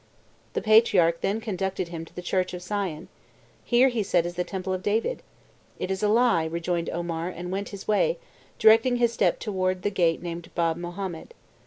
The patriarch then conducted him to the Church of Sion. 'Here,' said he, 'is the temple of David.' 'It is a lie,' rejoined Omar, and went his way, directing his steps towards the gate named Bab Mohammed.